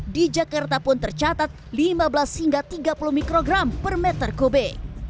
di jakarta pun tercatat lima belas hingga tiga puluh mikrogram per meter kubik